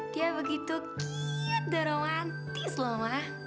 dia begitu kiat dan romantis loh ma